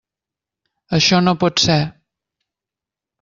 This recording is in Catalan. Això no pot ser.